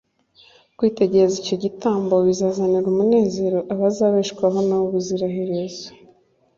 Kwitegereza icyo gitambo, bizazanira umunezero abazabeshwaho na we ubuzira herezo.